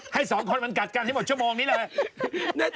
ให้สองคนมันกัดกันให้หมดชั่วโมงนี้เลย